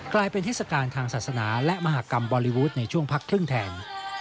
กลายเป็นเทศกาลทางศาสนาและมหากรรมบอลลีวูดในช่วงพักครึ่งแทน